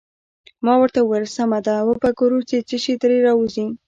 ما ورته وویل: سمه ده، وبه ګورو چې څه شي ترې راوزي.